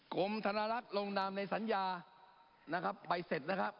กรมธนลักษณ์ลงนามในสัญญานะครับใบเสร็จนะครับ